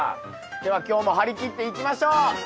では今日も張り切っていきましょう。